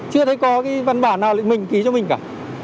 chưa thấy có cái văn bản nào mình ký cho mình cả